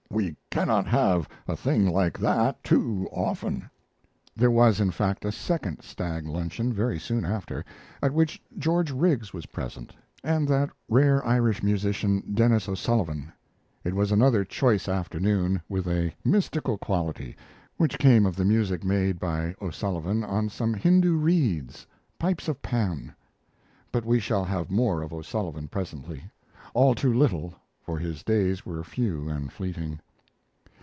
We cannot have a thing like that too often." There was, in fact, a second stag luncheon very soon after, at which George Riggs was present and that rare Irish musician, Denis O'Sullivan. It was another choice afternoon, with a mystical quality which came of the music made by O'Sullivan on some Hindu reeds pipes of Pan. But we shall have more of O'Sullivan presently all too little, for his days were few and fleeting.